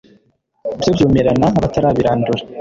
byo byumirana batarabirandura